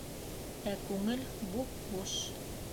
Ә күңел буп-буш.